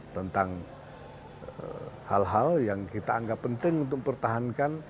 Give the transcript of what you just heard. tentang hal hal yang kita anggap penting untuk pertahankan